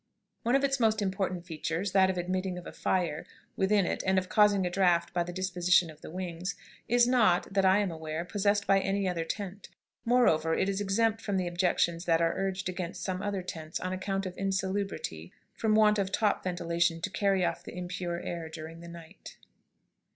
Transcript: One of its most important features, that of admitting of a fire within it and of causing a draught by the disposition of the wings, is not, that I am aware, possessed by any other tent. Moreover, it is exempt from the objections that are urged against some other tents on account of insalubrity from want of top ventilation to carry off the impure air during the night.